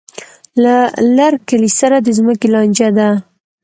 له لر کلي سره د ځمکې لانجه ده.